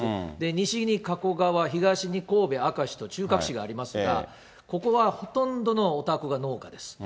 西に加古川、東に神戸、明石と中核地がありますが、ここはほとんどのお宅が農家です。